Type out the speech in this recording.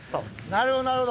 なるほどなるほど！